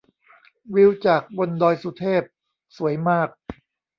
วิวจากบนดอยสุเทพสวยมาก